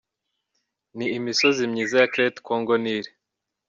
ni imisozi myiza ya crete Congo Nil.